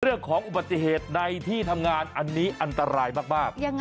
เรื่องของอุบัติเหตุในที่ทำงานอันนี้อันตรายมาก